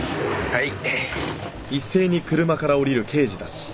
はい。